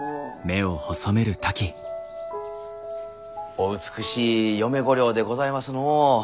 お美しい嫁御寮でございますのう。